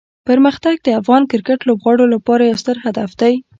پرمختګ د افغان کرکټ لوبغاړو لپاره یو ستر هدف دی.